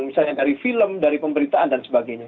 misalnya dari film dari pemberitaan dan sebagainya